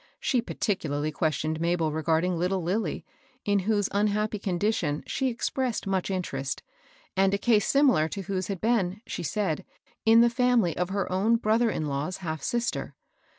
She particularly questioned Mah^l regarding Uttle Lilly, in whose unhappy condition she expressed much interest, and a case similar to whose had been, she said, in the family of her own brother in law's half sister.